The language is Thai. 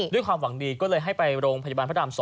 ด้วยความหวังดีก็เลยให้ไปโรงพยาบาลพระราม๒